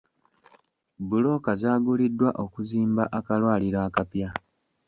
Bbulooka zaaguliddwa okuzimba akalwaliro akapya.